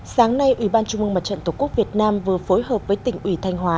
sáng nay ủy ban trung mương mặt trận tổ quốc việt nam vừa phối hợp với tỉnh ủy thanh hóa